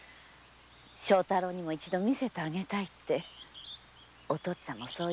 庄太郎にも一度見せてあげたいってお父ちゃんもそう言ってたんだよ。